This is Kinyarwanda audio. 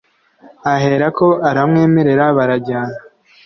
Aherako aramwemerera barajyana